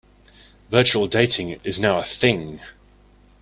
Virtual dating is now a thing.